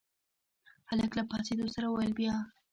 هلک له پاڅېدو سره وويل بيا.